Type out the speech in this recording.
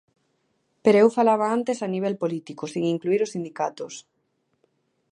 Pero eu falaba antes a nivel político, sen incluír os sindicatos.